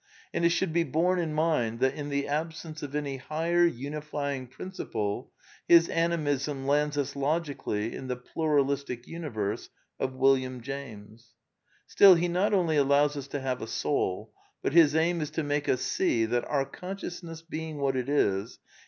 And it should be borne in mind that, in the absence of any higher unifying princi ple, his Animism lands us logically in the Pluralistic Uni j^verse of William James. Still, he not only allows us to have a soul, but his aim is to make us see that, our consciousness being what it is.